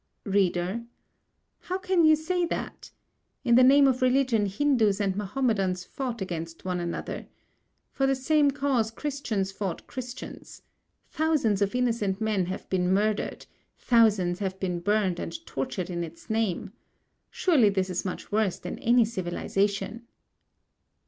READER: How can you say that? In the name of religion Hindus and Mahomedans fought against one another. For the same cause Christians fought Christians. Thousands of innocent men have been murdered, thousands have been burned and tortured in its name. Surely, this is much worse than any civilization.